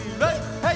はい！